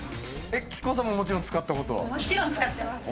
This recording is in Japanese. ＫＩＫＯさんももちろん使ったことはある？